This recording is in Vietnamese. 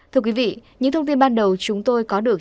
thưa quý vị những thông tin ban đầu chúng tôi có được